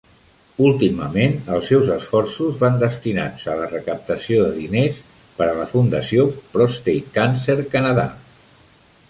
Últimament, els seus esforços van destinats a la recaptació de diners per a la fundació Prostate Cancer Canada.